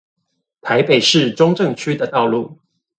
台北市中正區的道路